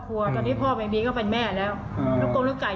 เขาไม่ได้ทำอะไร